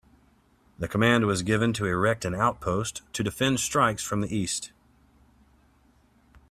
The command was given to erect an outpost to defend strikes from the east.